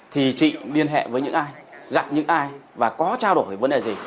thì chị liên hệ với những ai gặp những ai và có trao đổi về vấn đề gì